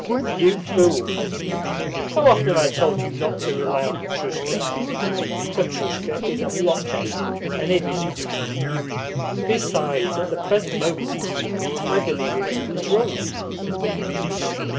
"You fool! How often have I told you not to rely on Petrushka? Petrushka is a blockhead, an idiot. Besides, at the present moment I believe him to be drunk."